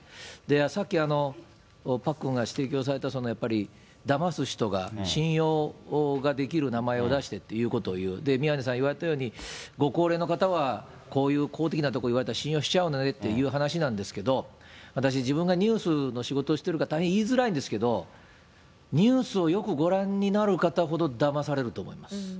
さっき、パックンが指摘をされたやっぱり、だます人が信用ができる名前を出してということを言う、宮根さん言われたように、ご高齢の方は、こういう公的なところを言われたら信用しちゃうよねっていう話なんですけれども、私、自分がニュースの仕事をしてるから大変言いづらいんですけど、ニュースをよくご覧になる方ほどだまされると思います。